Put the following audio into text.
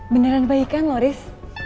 beneran baik kan loris